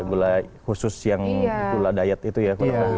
gulai khusus yang gula diet itu ya